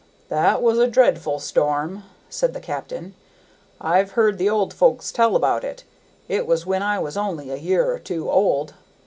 "That was a dreadful storm," said the captain. "I've heard the old folks tell about it; it was when I was only a year or two old.